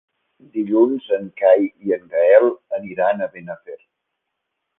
Dilluns en Cai i en Gaël aniran a Benafer.